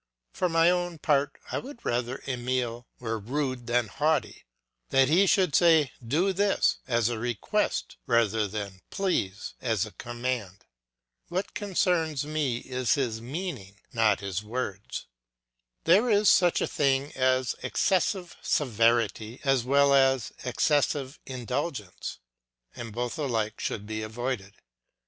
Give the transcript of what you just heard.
For my own part, I would rather Emile were rude than haughty, that he should say "Do this" as a request, rather than "Please" as a command. What concerns me is his meaning, not his words. There is such a thing as excessive severity as well as excessive indulgence, and both alike should be avoided.